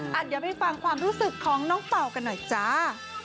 เดี๋ยวไปฟังความรู้สึกของน้องเป่ากันหน่อยจ้า